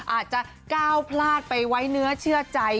อาจจะก้าวพลาดไปไว้เนื้อเชื่อใจ